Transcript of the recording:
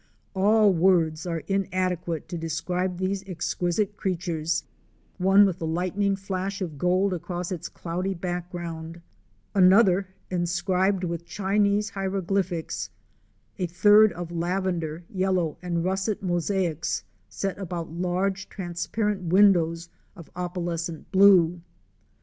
All words are inadequate to describe these exquisite crea tures; one with the lightning flash of gold across its cloudy background; another, enscribed with Chinese hieroglyphics; a third of lavender, yellow and russet mosaics set about large transparent windows of opalescent blue.